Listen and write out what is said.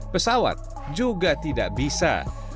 pesawat juga tidak bisa